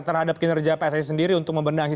terhadap kinerja psis sendiri untuk membenangi